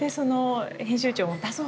編集長も「出そう！